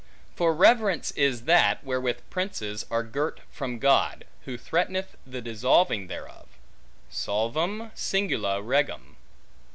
For reverence is that, wherewith princes are girt from God; who threateneth the dissolving thereof; Solvam cingula regum.